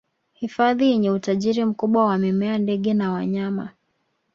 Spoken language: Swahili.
hifadhi yenye utajiri mkubwa wa mimea ndege na wanyama